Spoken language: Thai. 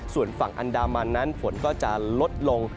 ส่วนฝั่งอันดามันนั้นฝนก็จะลดลง